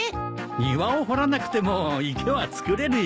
庭を掘らなくても池は作れるよ。